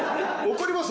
怒ります